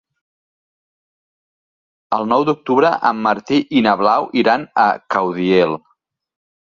El nou d'octubre en Martí i na Blau iran a Caudiel.